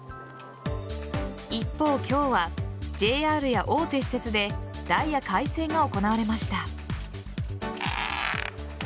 一方、今日はＪＲや大手私鉄でダイヤ改正が行われました。